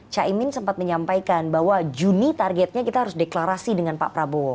caimin sempat menyampaikan bahwa juni targetnya kita harus deklarasi dengan pak prabowo